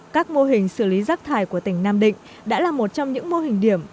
các mô hình xử lý rác thải của tỉnh nam định đã là một trong những mô hình điểm